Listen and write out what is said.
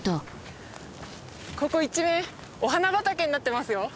ここ一面お花畑になってますよ。